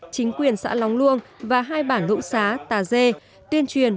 chính quyền xã long luông và hai bản lũ xá tà dê tuyên truyền